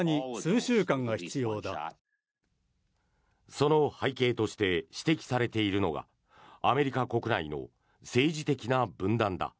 その背景として指摘されているのがアメリカ国内の政治的な分断だ。